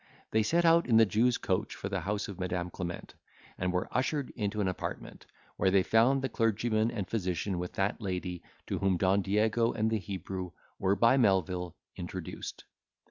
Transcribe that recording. They set out in the Jew's coach for the house of Madam Clement, and were ushered into an apartment, where they found the clergyman and physician with that lady, to whom Don Diego and the Hebrew were by Melvil introduced.